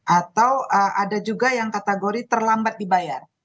atau ada juga yang kategori terlambat dibayar